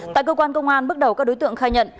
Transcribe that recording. tại cơ quan công an bước đầu các đối tượng khai nhận